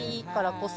こそ